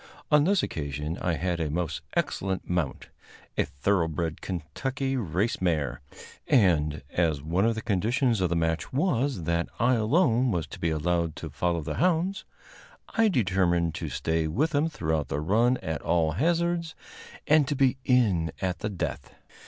On this occasion I had a most excellent mount, a thoroughbred Kentucky race mare, and, as one of the conditions of the match was that I alone was to be allowed to follow the hounds, I determined to stay with them throughout the run at all hazards, and to be in at the death.